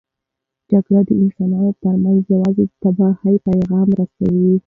جګړه د انسانانو ترمنځ یوازې د تباهۍ پیغام رسوي.